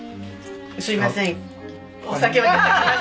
すいません。